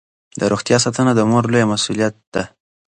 د روغتیا ساتنه د مور لویه مسوولیت ده.